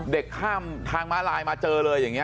ข้ามทางม้าลายมาเจอเลยอย่างนี้